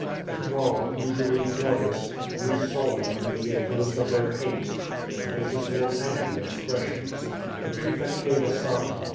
The throng, usually joyous, grew sullen under the influence of their hate. THeir faces* wore angry expressions. The prefect gave a sign.